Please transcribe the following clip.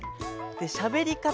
でしゃべりかたは。